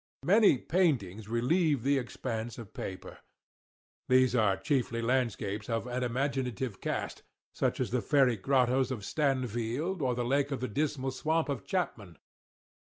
Many paintings relieve the expanse of paper. These are chiefly landscapes of an imaginative cast—such as the fairy grottoes of Stanfield, or the lake of the Dismal Swamp of Chapman.